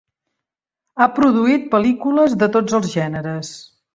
Ha produït pel·lícules de tots els gèneres.